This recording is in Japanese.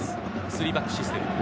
スリーバックシステム。